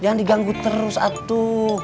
jangan diganggu terus atuh